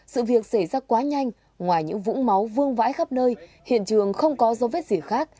sự việc xảy ra quá nhanh ngoài những vũng máu vương vãi khắp nơi hiện trường không có dấu vết gì khác